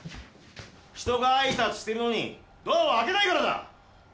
人が挨拶してるのにドアを開けないからだ！